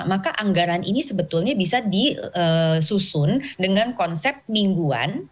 maka anggaran ini sebetulnya bisa disusun dengan konsep mingguan